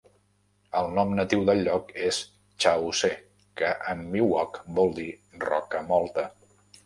El nom natiu de el lloc és "Chaw'se", que en miwok vol dir "roca molta".